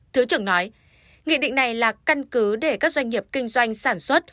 thứ trưởng nói nghị định này là căn cứ để các doanh nghiệp kinh doanh sản xuất